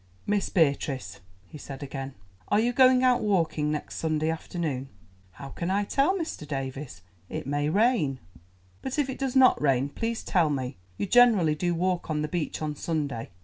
"Miss Beatrice," he said again, "are you going out walking next Sunday afternoon?" "How can I tell, Mr. Davies? It may rain." "But if it does not rain—please tell me. You generally do walk on the beach on Sunday.